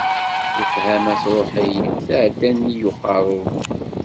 Lefhama truḥ-iyi, tɛedda nnig uqerru-w.